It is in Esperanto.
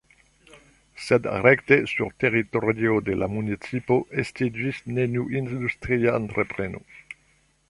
Sed rekte sur teritorio de la municipo estiĝis neniu industria entrepreno.